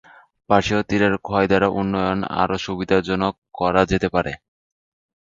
পার্শ্বীয় তীরের ক্ষয় দ্বারা উন্নয়ন আরও সুবিধাজনক করা যেতে পারে।